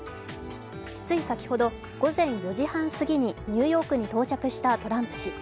つい先ほど、午前４時半すぎにニューヨークに到着したトランプ氏。